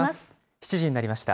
７時になりました。